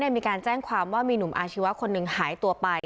มีการแจ้งความว่ามีหนุ่มอาชีวะคนหนึ่งหายตัวไป